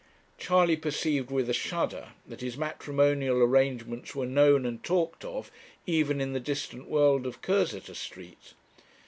Charley perceived with a shudder that his matrimonial arrangements were known and talked of even in the distant world of Cursitor Street.